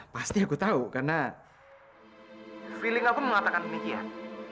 pasti aku tahu karena feeling aku pun mengatakan demikian